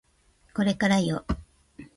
これからよ